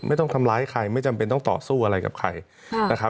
ไม่ต้องทำร้ายใครไม่จำเป็นต้องต่อสู้อะไรกับใครนะครับ